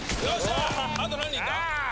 あと何人だ？